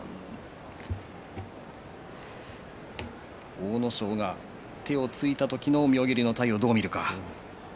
阿武咲が手をついた時の妙義龍の体をどう見るか。